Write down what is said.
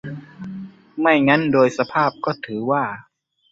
ไม่งั้นโดยสภาพก็ถือว่า